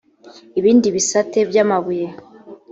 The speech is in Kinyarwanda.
ibindi bisate by amabuye